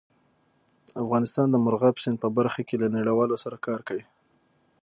افغانستان د مورغاب سیند په برخه کې له نړیوالو سره کار کوي.